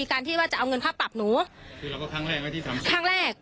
ครั้งแรก